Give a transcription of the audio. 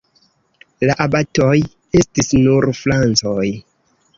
La abatoj estis nur francoj.